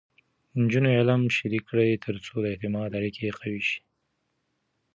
نجونې علم شریک کړي، ترڅو د اعتماد اړیکې قوي شي.